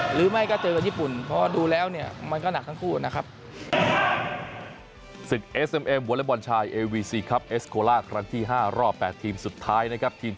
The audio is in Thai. หรือไม่ก็เจอกับญี่ปุ่น